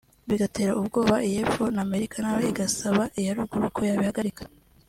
bigatera ubwoba iy’epfo n’America nayo igasaba iya ruguru ko yabihagarika